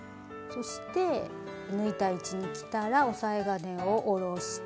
そして縫いたい位置にきたら押さえ金を下ろして。